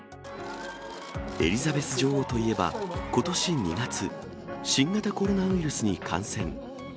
エリザベス女王といえば、ことし２月、新型コロナウイルスに感染。